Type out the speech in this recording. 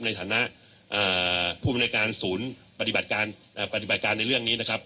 ในฐานะผู้บริการศูนย์ปฏิบัติการในเรื่องนี้นะครับ